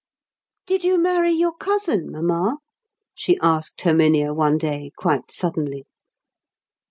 "Did you marry your cousin, mamma?" she asked Herminia one day quite suddenly.